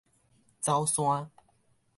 走山